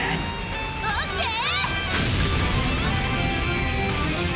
オッケー！